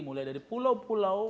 mulai dari pulau pulau